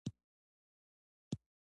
د ګیان ولسوالۍ ځنګلونه لري